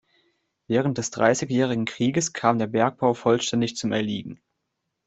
Während des Dreißigjährigen Krieges kam der Bergbau vollständig zum Erliegen.